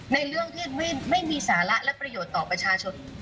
เรื่องที่ไม่มีสาระและประโยชน์ต่อประชาชน